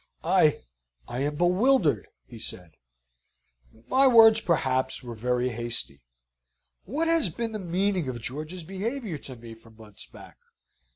"I I am bewildered," he said. "My words, perhaps, were very hasty. What has been the meaning of George's behaviour to me for months back?